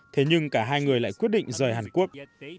thế nhưng cả hai người lại quyết định rời hàn quốc